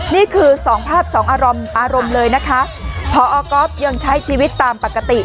นี่คือสองภาพสองอารมณ์อารมณ์เลยนะคะพอก๊อฟยังใช้ชีวิตตามปกติ